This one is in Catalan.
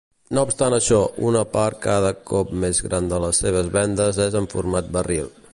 No obstant això, una part cada cop més gran de les seves vendes és en format barril.